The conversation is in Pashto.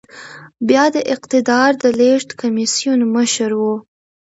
بيا د اقتدار د لېږد کميسيون مشر و.